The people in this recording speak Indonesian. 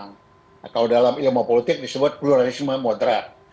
nah kalau dalam ilmu politik disebut pluralisme moderat